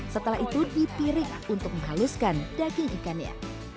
setelah itu dipirik untuk menghaluskan daging ikannya